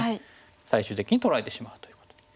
最終的に取られてしまうという。